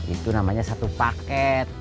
itu namanya satu paeket